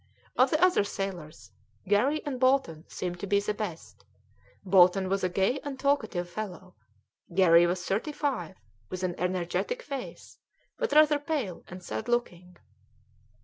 Of the other sailors Garry and Bolton seemed to be the best; Bolton was a gay and talkative fellow; Garry was thirty five, with an energetic face, but rather pale and sad looking.